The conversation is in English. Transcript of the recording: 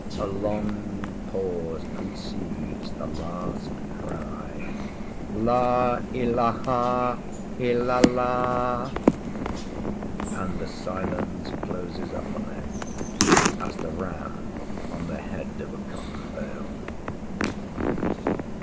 A long pause precedes the last cry, ‘La ilaha Illallah,’ and the silence closes up on it, as the ram on the head of a cotton bale.